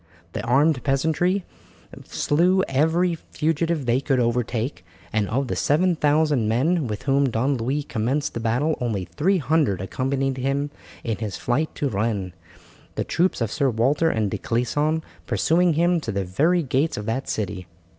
The armed peasantry slew every fugitive they could overtake, and of the 7000 men with whom Don Louis commenced the battle only 300 accompanied him in his flight to Rennes, the troops of Sir Walter and de Clisson pursuing him to the very gates of that city.